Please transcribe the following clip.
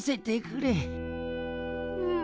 うん。